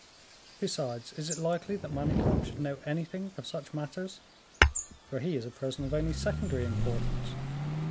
Besides, is it likely that Manicamp should know anything of such matters? for he is a person of only secondary importance."